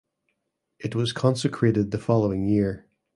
It was consecrated the following year.